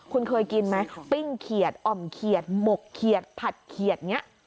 คุณเคยกินไหมปิ้งเขียดอ่อมเขียดหมกเขียดผัดเขียดอย่างนี้